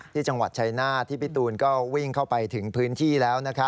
ที่จังหวัดชายนาฏที่พี่ตูนก็วิ่งเข้าไปถึงพื้นที่แล้ว